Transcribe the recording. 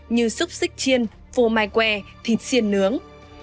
như xúc xích chiên phô mai que thịt xiên nướng